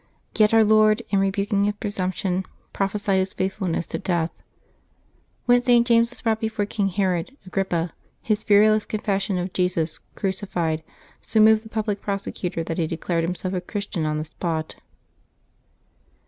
Yet Our Lord, in rebuking his presumption, prophesied his faithfulness to death. When St. James was brought be fore King Herod Agrippa, his fearless confession of Jesus crucified so moved the public prosecutor that he declared himself a Christian on the spot.